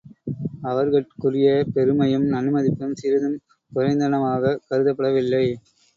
அவர்கட்குரிய பெருமையும் நன்மதிப்பும் சிறிதும் குறைந்தனவாகக் கருதப்படவில்லை.